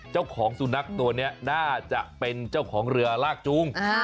เจ้าของสุนัขตัวนี้น่าจะเป็นเจ้าของเรือลากจูง